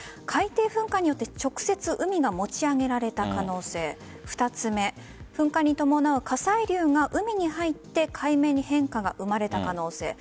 海底噴火によって直接海が持ち上げられた可能性２つ目噴火に伴う火砕流が海に入って海面に変化が生まれた可能性。